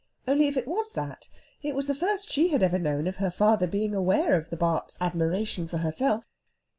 Only if it was that, it was the first she had ever known of her father being aware of the Bart.'s admiration for herself.